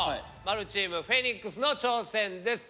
○チームフェニックスの挑戦です。